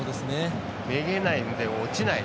めげないので落ちない。